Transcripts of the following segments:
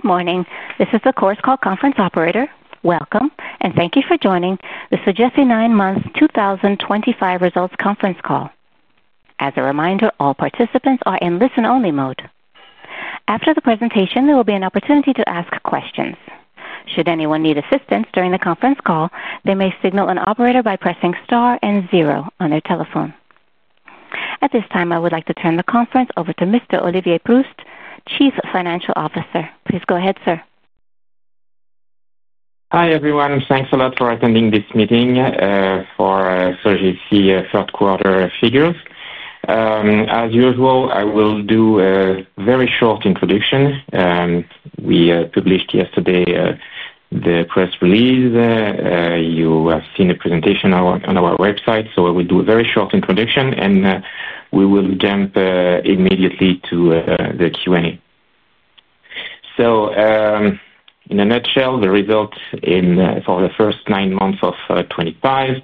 Good morning. This is the conference call operator. Welcome, and thank you for joining the Sogefi nine months 2025 results conference call. As a reminder, all participants are in listen-only mode. After the presentation, there will be an opportunity to ask questions. Should anyone need assistance during the conference call, they may signal an operator by pressing star and zero on their telephone. At this time, I would like to turn the conference over to Mr. Olivier Proust, Chief Financial Officer. Please go ahead, sir. Hi, everyone. Thanks a lot for attending this meeting for Sogefi third-quarter figures. As usual, I will do a very short introduction. We published yesterday the press release. You have seen the presentation on our website. I will do a very short introduction, and we will jump immediately to the Q&A. In a nutshell, the results for the first nine months of 2025,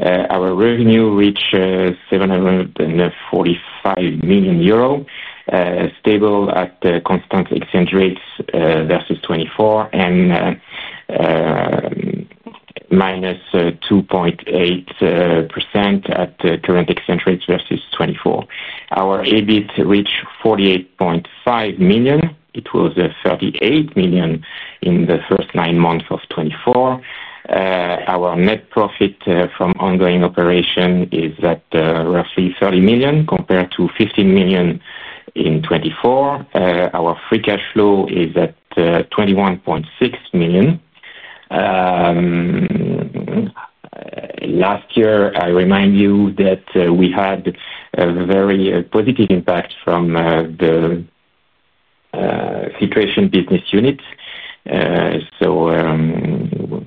our revenue reached 745 million euro, stable at constant exchange rates versus 2024, and -2.8% at current exchange rates versus 2024. Our EBIT reached 48.5 million. It was 38 million in the first nine months of 2024. Our net profit from ongoing operation is at roughly 30 million compared to 15 million in 2024. Our free cash flow is at 21.6 million. Last year, I remind you that we had a very positive impact from the filtration business units, so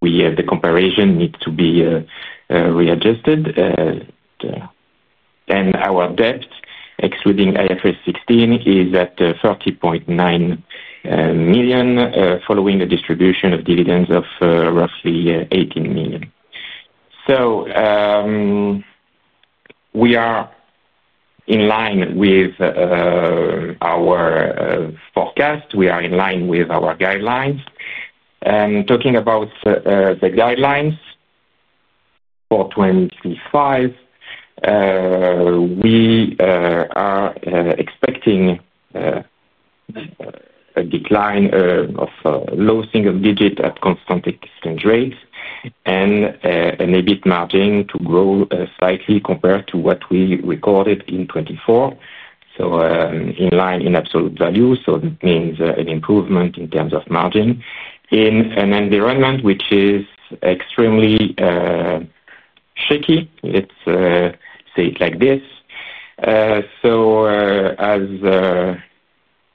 we have the comparation need to be readjusted. Our debt, excluding IFRS 16, is at 30.9 million, following the distribution of dividends of roughly 18 million. We are in line with our forecast. We are in line with our guidelines. Talking about the guidelines for 2025, we are expecting a decline of low single digit at constant exchange rates and an EBIT margin to grow slightly compared to what we recorded in 2024, so in line in absolute value. That means an improvement in terms of margin in an environment which is extremely shaky. Let's say it like this. As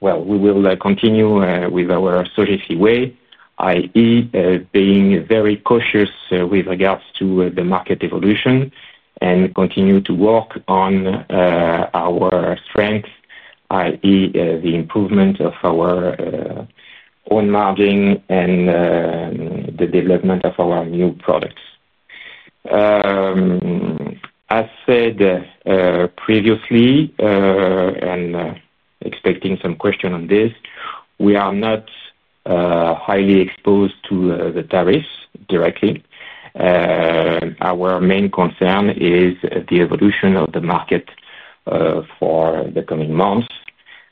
well, we will continue with our Sogefi way, i.e., being very cautious with regards to the market evolution and continue to work on our strengths, i.e., the improvement of our own margin and the development of our new products. As said previously, and expecting some question on this, we are not highly exposed to the tariffs directly. Our main concern is the evolution of the market for the coming months.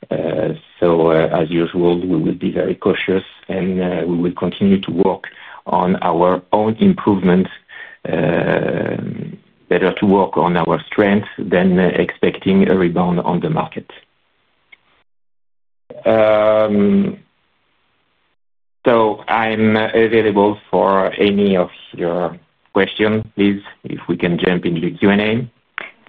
As usual, we will be very cautious, and we will continue to work on our own improvement. Better to work on our strengths than expecting a rebound on the market. I'm available for any of your questions, please, if we can jump into the Q&A.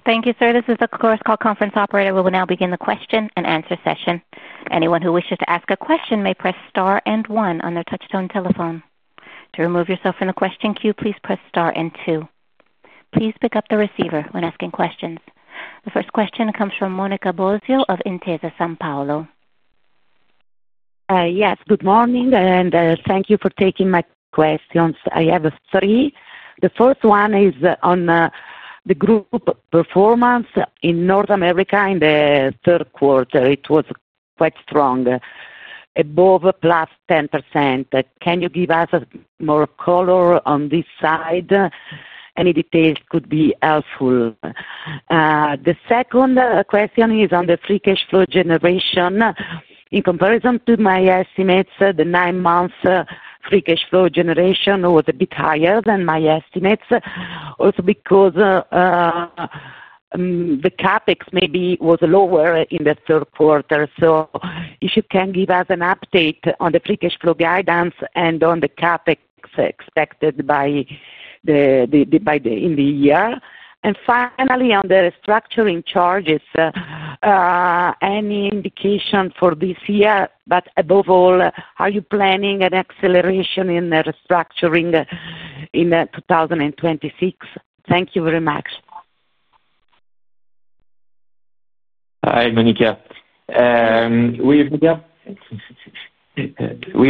Thank you, sir. This is the conference call operator. We will now begin the question and answer session. Anyone who wishes to ask a question may press star and one on their touch-tone telephone. To remove yourself from the question queue, please press star and two. Please pick up the receiver when asking questions. The first question comes from Monica Bosio of Intesa Sanpaolo. Yes. Good morning, and thank you for taking my questions. I have three. The first one is on the group performance in North America in the third quarter. It was quite strong, above +10%. Can you give us more color on this side? Any details could be helpful. The second question is on the free cash flow generation. In comparison to my estimates, the nine months free cash flow generation was a bit higher than my estimates, also because the CapEx maybe was lower in the third quarter. If you can give us an update on the free cash flow guidance and on the CapEx expected by the end of the year. Finally, on the restructuring charges, any indication for this year? Above all, are you planning an acceleration in the restructuring in 2026? Thank you very much. Hi, Monica. With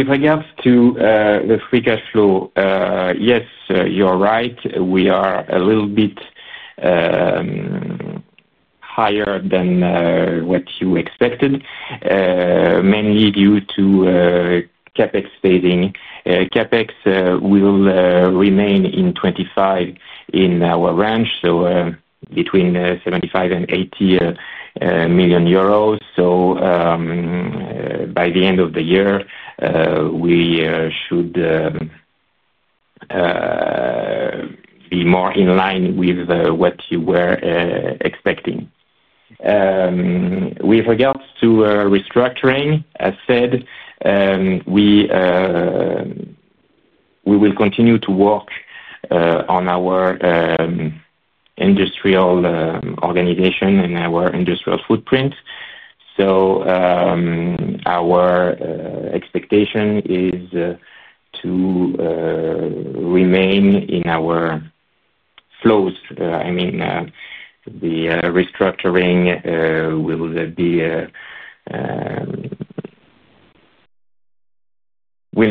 regards to the free cash flow, yes, you are right. We are a little bit higher than what you expected, mainly due to CapEx saving. CapEx will remain in 2025 in our range, so between 75 million and 80 million euros. By the end of the year, we should be more in line with what you were expecting. With regards to restructuring, as said, we will continue to work on our industrial organization and our industrial footprint. Our expectation is to remain in our flows. I mean, the restructuring will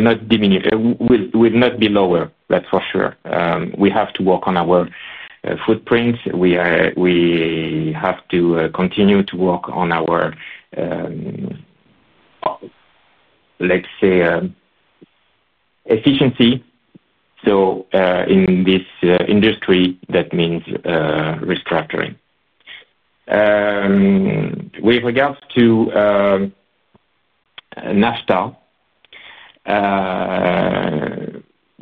not diminish, will not be lower, that's for sure. We have to work on our footprint. We have to continue to work on our, let's say, efficiency. In this industry, that means restructuring. With regards to NAFTA,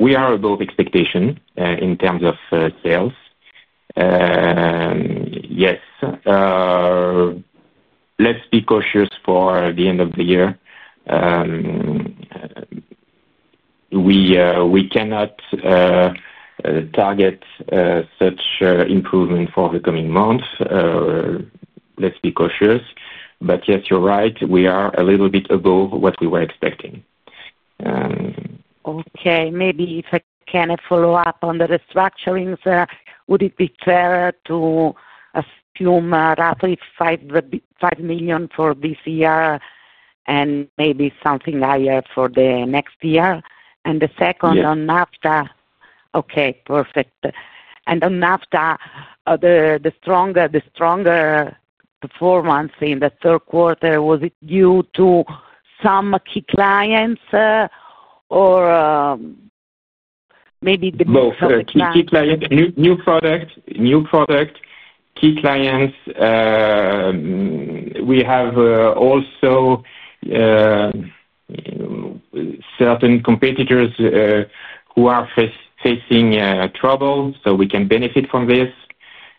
we are above expectation in terms of sales. Yes, let's be cautious for the end of the year. We cannot target such improvement for the coming months. Let's be cautious. Yes, you're right. We are a little bit above what we were expecting. Okay. Maybe if I can, I follow up on the restructurings. Would it be fair to assume, roughly 5 million for this year and maybe something higher for the next year? The second on NAFTA? Yes. Okay. Perfect. On NAFTA, the stronger performance in the third quarter, was it due to some key clients, or maybe the key product clients? Key clients, new product, new product, key clients. We have also certain competitors who are facing trouble, so we can benefit from this.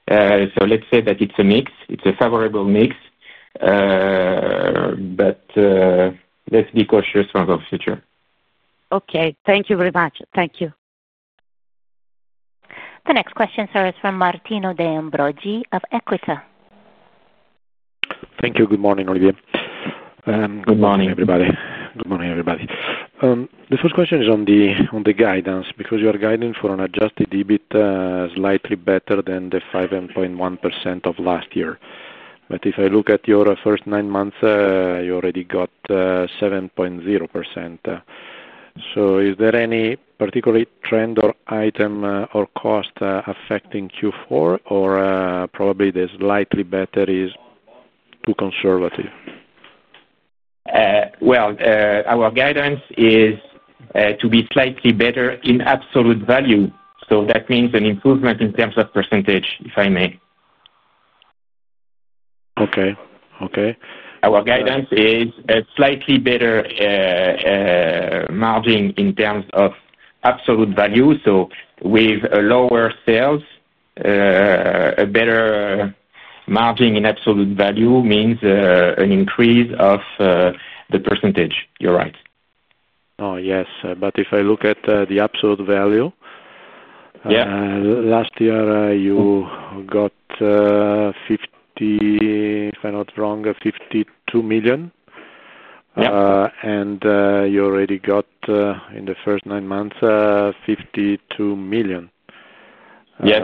Let's say that it's a mix. It's a favorable mix, but let's be cautious for the future. Okay. Thank you very much. Thank you. The next question, sir, is from Martino De Ambroggi of EQUITA. Thank you. Good morning, Olivier. Good morning. Good morning, everybody. The first question is on the guidance because you are guiding for an adjusted EBIT, slightly better than the 5.1% of last year. If I look at your first nine months, you already got 7.0%. Is there any particular trend or item, or cost, affecting Q4? Or probably the slightly better is too conservative? Our guidance is to be slightly better in absolute value. That means an improvement in terms of percentage, if I may. Okay. Okay. Our guidance is a slightly better margin in terms of absolute value. With lower sales, a better margin in absolute value means an increase of the percentage. You're right. Oh, yes. If I look at the absolute value, last year you got EUR 52 million. Yep. You already got, in the first nine months, 52 million. Yes,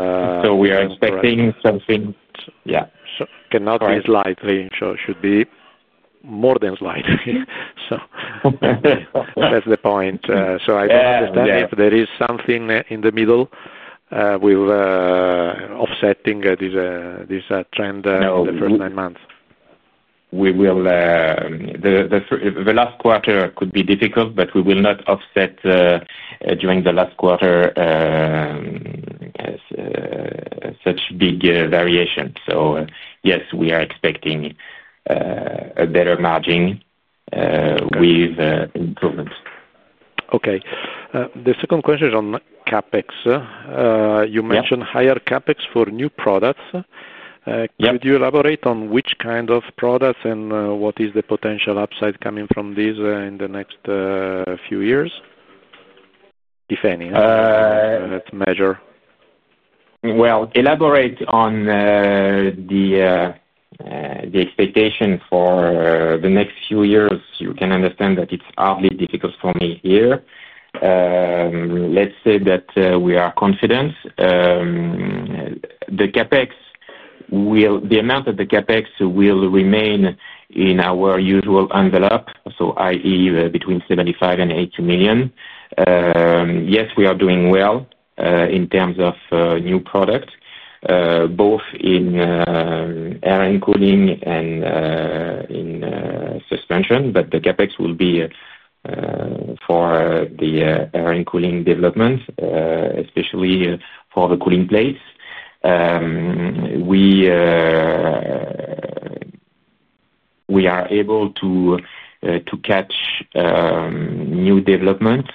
we are expecting something, yeah. It cannot be slightly. It should be more than slightly. Okay. That's the point. I don't understand if there is something in the middle offsetting this trend in the first nine months. No. The last quarter could be difficult, but we will not offset, during the last quarter, such big variation. Yes, we are expecting a better margin, with improvements. Okay. The second question is on CapEx. You mentioned higher CapEx for new products. Could you elaborate on which kind of products and what is the potential upside coming from this in the next few years, if any, measure? Elaborate on the expectation for the next few years. You can understand that it's hardly difficult for me here. Let's say that we are confident the CapEx will, the amount of the CapEx will remain in our usual envelope, so i.e., between 75 million and 80 million. Yes, we are doing well in terms of new products, both in Air and Cooling and in Suspension. The CapEx will be for the Air and Cooling development, especially for the cooling plates. We are able to catch new developments,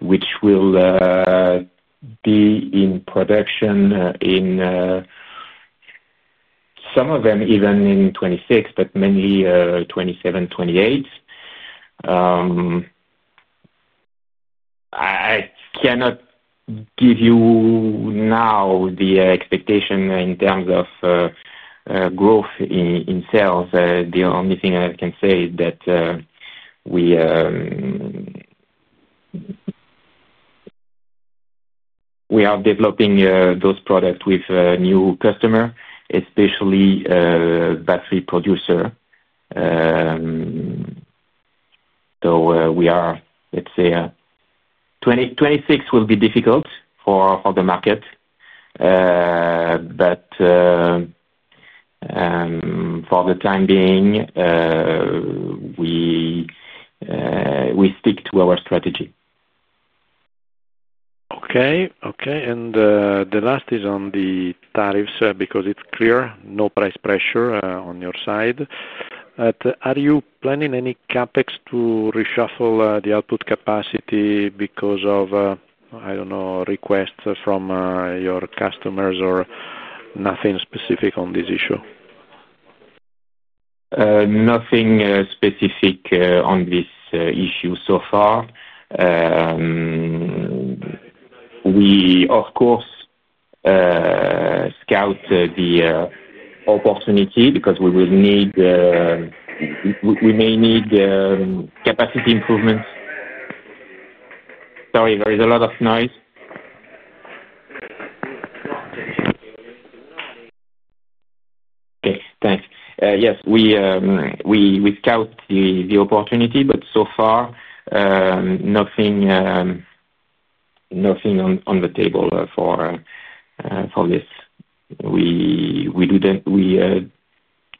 which will be in production, some of them even in 2026, but mainly 2027, 2028. I cannot give you now the expectation in terms of growth in sales. The only thing that I can say is that we are developing those products with new customers, especially battery producers. We are, let's say, 2026 will be difficult for the market. For the time being, we stick to our strategy. Okay. The last is on the tariffs, because it's clear, no price pressure on your side. Are you planning any CapEx to reshuffle the output capacity because of, I don't know, requests from your customers or nothing specific on this issue? Nothing specific on this issue so far. We, of course, scout the opportunity because we may need capacity improvements. Sorry, there is a lot of noise. Okay. Thanks. Yes, we scout the opportunity, but so far, nothing on the table for this. We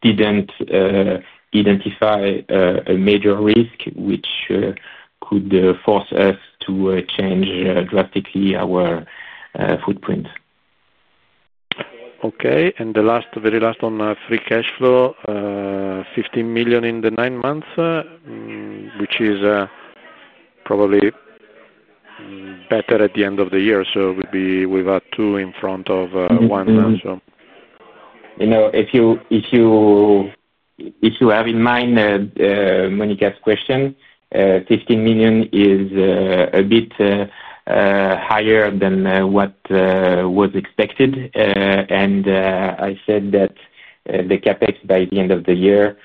didn't identify a major risk which could force us to change drastically our footprint. Okay. The very last one, free cash flow, 15 million in the nine months, which is probably better at the end of the year. We'll be with two in front of one. If you have in mind Monica's question, 15 million is a bit higher than what was expected. I said that the CapEx by the end of the year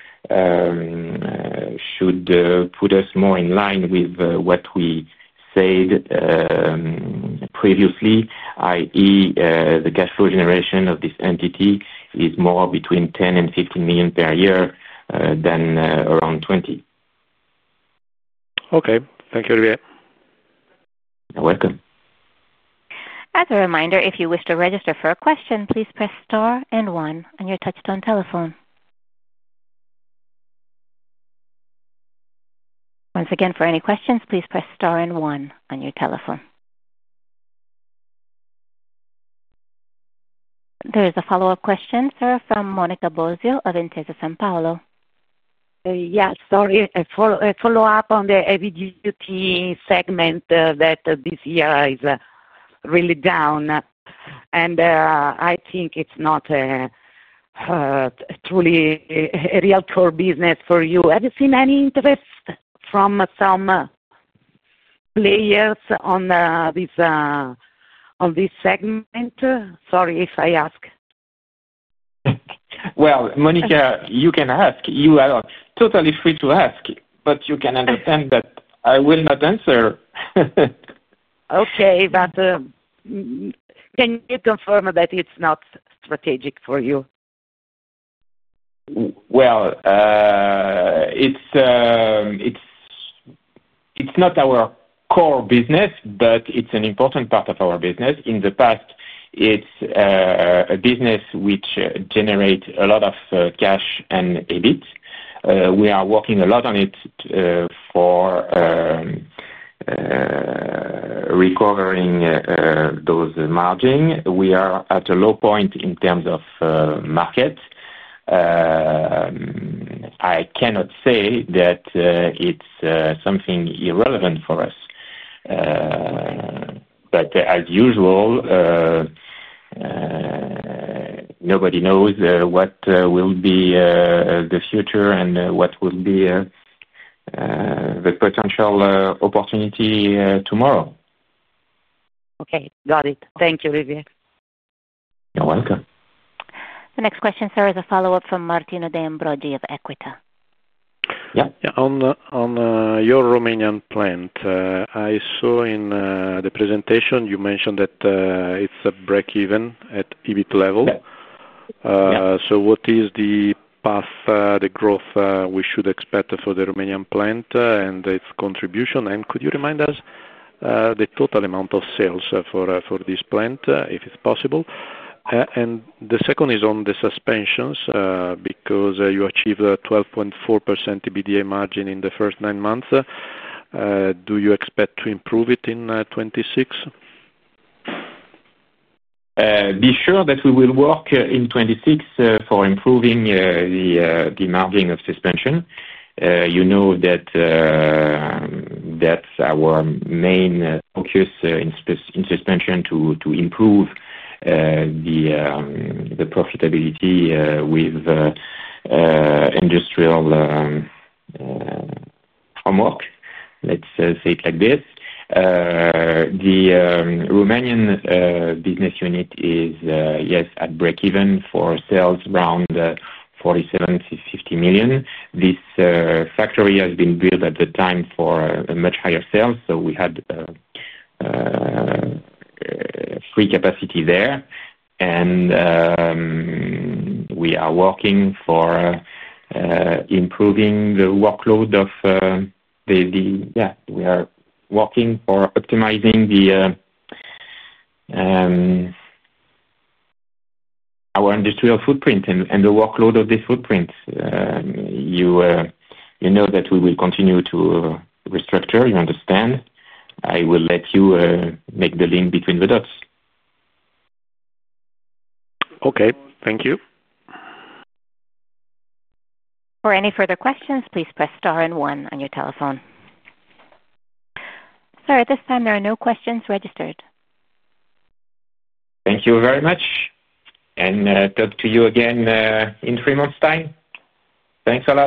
should put us more in line with what we said previously, i.e., the cash flow generation of this entity is more between 10 million and 15 million per year than around 20 million. Okay, thank you, Olivier. You're welcome. As a reminder, if you wish to register for a question, please press star and one on your touch-tone telephone. Once again, for any questions, please press star and one on your telephone. There is a follow-up question from Monica Bosio of Intesa Sanpaolo. Yes, sorry. A follow-up on the Heavy Duty segment, that this year is really down. I think it's not truly a real core business for you. Have you seen any interest from some players on this segment? Sorry if I ask. Monica, you can ask. You are totally free to ask, but you can understand that I will not answer. Okay, can you confirm that it's not strategic for you? It's not our core business, but it's an important part of our business. In the past, it's a business which generates a lot of cash and EBIT. We are working a lot on it, for recovering those margins. We are at a low point in terms of market. I cannot say that it's something irrelevant for us, but as usual, nobody knows what will be the future and what will be the potential opportunity tomorrow. Okay. Got it. Thank you, Olivier. You're welcome. The next question, sir, is a follow-up from Martino De Ambroggi of EQUITA. Yeah. On your Romanian plant, I saw in the presentation you mentioned that it's at break-even at EBIT level. Yeah. What is the path, the growth, we should expect for the Romanian plant and its contribution? Could you remind us the total amount of sales for this plant, if it's possible? The second is on the Suspension, because you achieved a 12.4% EBITDA margin in the first nine months. Do you expect to improve it in 2026? Be sure that we will work in 2026 for improving the margin of Suspension. You know that that's our main focus in Suspension, to improve the profitability with industrial homework, let's say it like this. The Romanian business unit is, yes, at break-even for sales around 47 million-50 million. This factory has been built at the time for much higher sales, so we had free capacity there. We are working for improving the workload of the, yeah, we are working for optimizing our industrial footprint and the workload of this footprint. You know that we will continue to restructure. You understand. I will let you make the link between the dots. Okay, thank you. For any further questions, please press star and one on your telephone. Sir, at this time, there are no questions registered. Thank you very much. Talk to you again in three months' time. Thanks a lot.